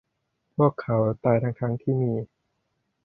พวกเขาตายทั้ง ๆ ที่มี